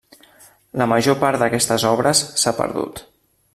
La major part d'aquestes obres s'ha perdut.